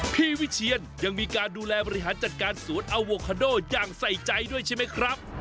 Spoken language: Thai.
วิเชียนยังมีการดูแลบริหารจัดการสวนอโวคาโดอย่างใส่ใจด้วยใช่ไหมครับ